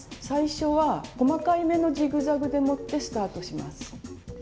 最初は細かい目のジグザグでもってスタートします。